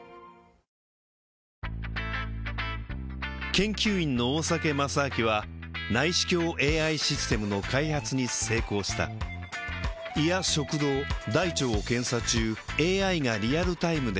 研究員の大酒正明は内視鏡ＡＩシステムの開発に成功した胃や食道大腸を検査中ＡＩがリアルタイムで画像を解析